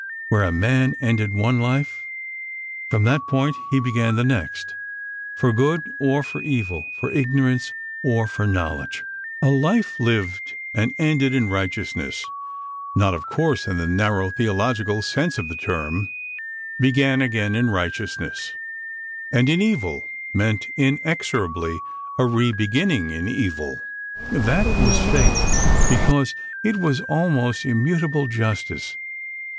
Where a man ended one life, from that point he began the next: for good or for evil, for ignorance or for knowledge. A life lived and ended in righteousness (not, of course, in the narrow theological sense of the term) began again in righteousness, and in evil meant inexorably a re beginning in evil. That was Fate, because it was also immutable Justice.